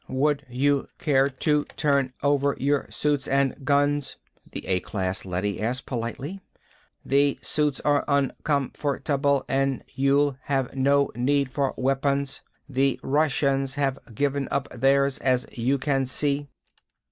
"Would you care to turn over your suits and guns?" the A class leady asked politely. "The suits are uncomfortable and you'll have no need for weapons. The Russians have given up theirs, as you can see."